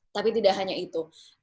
tapi tidak hanya itu